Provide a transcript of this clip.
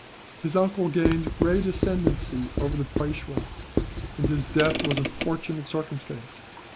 His uncle gained great ascendency over the Peishwa, and his death was a fortunate circumstance.